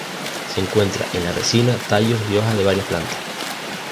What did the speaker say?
Se encuentra en la resina, tallos y hojas de varias plantas.